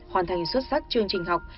hoàn thành xuất sắc chương trình học